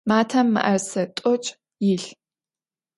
Матэм мыӏэрысэ тӏокӏ илъ.